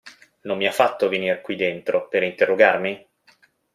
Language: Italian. Non mi ha fatto venir qui dentro, per interrogarmi?